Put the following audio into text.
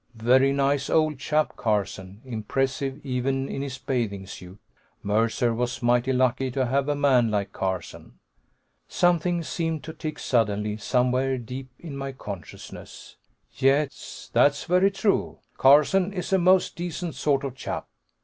Very nice old chap, Carson, impressive even in his bathing suit. Mercer was mighty lucky to have a man like Carson.... Something seemed to tick suddenly, somewhere deep in my consciousness. "Yes, that's very true: Carson is a most decent sort of chap."